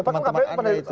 semangatnya kita hormati